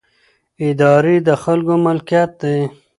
ادارې د خلکو ملکیت دي